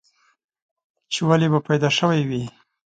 چې ولې به پيدا شوی وې؟